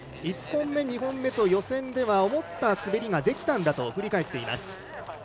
１本目、２本目と予選では思った滑りができたと振り返っています。